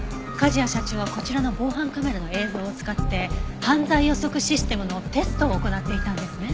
梶谷社長はこちらの防犯カメラの映像を使って犯罪予測システムのテストを行っていたんですね？